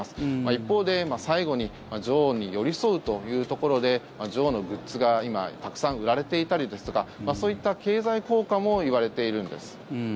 一方で、最後に女王に寄り添うというところで女王のグッズが今たくさん売られていたりですとかそういった経済効果もいわれているんです。